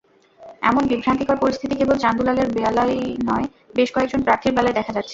এমন বিভ্রান্তিকর পরিস্থিতি কেবল চান্দুলালের বেলায়ই নয়, বেশ কয়েকজন প্রার্থীর বেলায় দেখা যাচ্ছে।